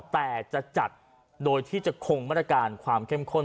แต่จะจัดโดยที่จะคงมาตรการความเข้มข้น